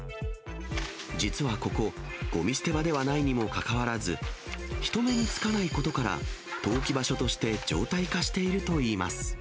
実はここ、ごみ捨て場ではないにもかかわらず、人目につかないことから、投棄場所として常態化しているといいます。